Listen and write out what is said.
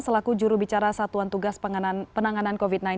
selaku jurubicara satuan tugas penanganan covid sembilan belas